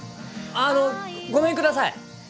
あのごめんください。